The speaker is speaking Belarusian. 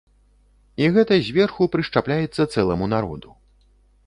І гэта зверху прышчапляецца цэламу народу.